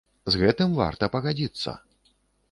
З гэтым варта пагадзіцца.